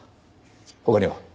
他には？